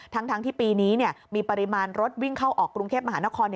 ทั้งที่ปีนี้มีปริมาณรถวิ่งเข้าออกกรุงเทพมหานคร